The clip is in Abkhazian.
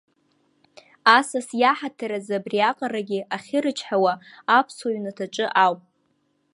Асас иаҳаҭыр азы абриаҟарагьы ахьырычҳауа, аԥсуа иҩнаҭаҿы ауп!